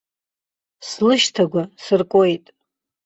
Слышьҭагәа сыркуеит.